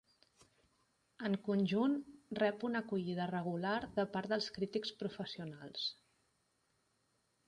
En conjunt, rep una acollida regular de part dels crítics professionals.